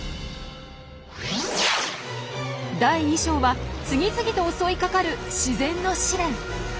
第２章は次々と襲いかかる自然の試練。